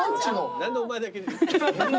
何でお前だけ？